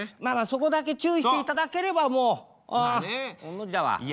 まあまあそこだけ注意していただければもう御の字だわ。